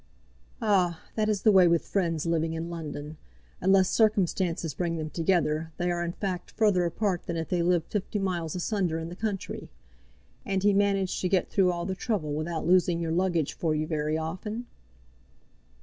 "Ah! that is the way with friends living in London. Unless circumstances bring them together, they are in fact further apart than if they lived fifty miles asunder in the country. And he managed to get through all the trouble without losing your luggage for you very often?"